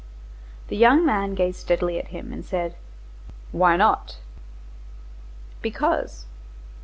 The young man gazed steadily at him and said:— "Why not?" "Because."